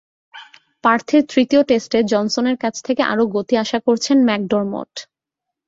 পার্থের তৃতীয় টেস্টে জনসনের কাছ থেকে আরও গতি আশা করছেন ম্যাকডরমট।